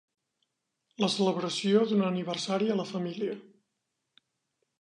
La celebració d'un aniversari a la família.